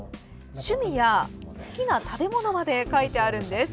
趣味や好きな食べ物まで書いてあるんです。